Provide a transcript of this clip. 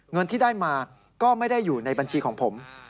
เงินที่ได้มาก็ไม่ได้อยู่ในบัญชีของผม